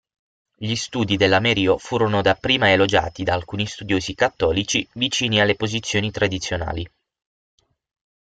Gli studi dell'Amerio furono dapprima elogiati da alcuni studiosi cattolici, vicini alle posizioni tradizionali.